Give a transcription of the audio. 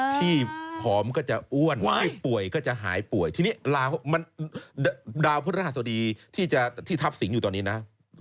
ที่ผอมก็จะอ้วนที่ป่วยก็จะหายป่วยทีนี้ดาวพฤหัสดีที่ทับสิงอยู่ตอนนี้นะ